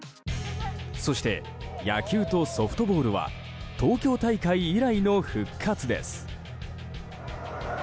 そして、野球とソフトボールは東京大会以来の復活です。